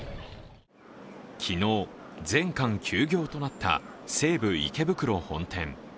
昨日、全館休業となった西武池袋本店。